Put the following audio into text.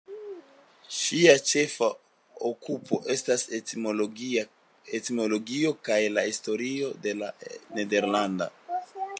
Ŝia ĉefa okupo estas la etimologio kaj la historio de la nederlanda.